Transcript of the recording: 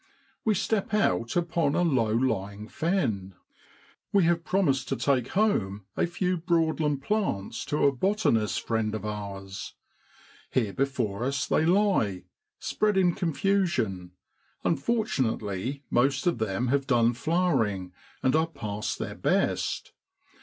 We step out upon a low lying fen. We have promised to take home a few Broad land plants to a botanist friend of ours. Here before us they lie, spread in con fusion ; unfortunately most of them have done flowering, and are past their best.